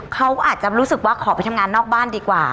เขาอาจจะรู้สึกว่าขอไปทำงานนอกบ้านดีกว่า